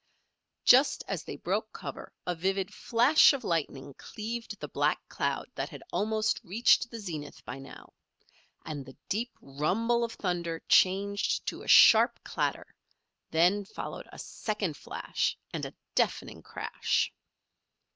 Just as they broke cover a vivid flash of lightning cleaved the black cloud that had almost reached the zenith by now, and the deep rumble of thunder changed to a sharp chatter; then followed a second flash and a deafening crash.